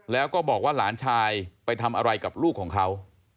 แล้วก็บอกว่าหลานชายไปทำอะไรกับลูกของเขา